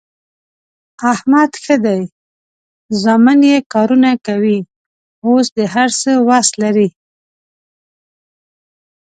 احمد ښه دی زامن یې کارونه کوي، اوس د هر څه وس لري.